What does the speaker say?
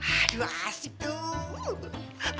aduh asik tuh